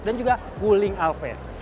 dan juga wuling alves